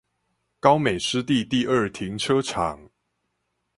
高美濕地第二停車場